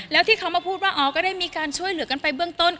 แล้วที่เขามาพูดว่าอ๋อก็ได้มีการช่วยเหลือกันไปเบื้องต้น